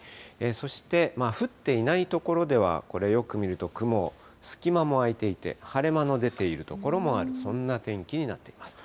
そして、降っていない所では、これ、よく見ると雲、隙間もあいていて、晴れ間の出ている所もある、そんな天気になっています。